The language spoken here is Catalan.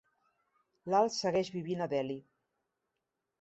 Lal segueix vivint a Delhi.